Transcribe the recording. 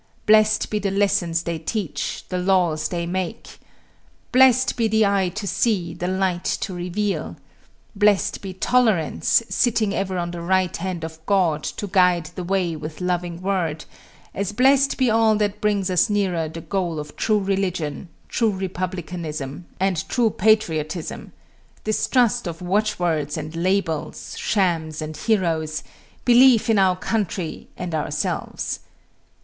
Blessed be the lessons they teach, the laws they make. Blessed be the eye to see, the light to reveal. Blessed be tolerance, sitting ever on the right hand of God to guide the way with loving word, as blessed be all that brings us nearer the goal of true religion, true republicanism, and true patriotism, distrust of watchwords and labels, shams and heroes, belief in our country and ourselves.